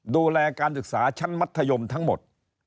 ดูแลการศึกษาชั้นมัธยมทั้งหมด